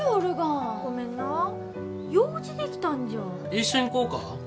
一緒に行こうか？